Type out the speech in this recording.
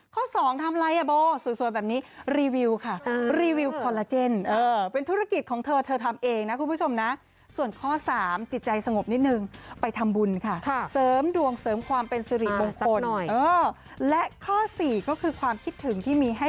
เป็นสรีบงคลอ่าสักหน่อยเออและข้อสี่ก็คือความคิดถึงที่มีให้